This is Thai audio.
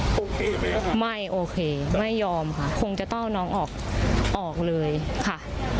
โอเคไหมครับไม่โอเคไม่ยอมค่ะคงจะต้องเอาน้องออกออกเลยค่ะ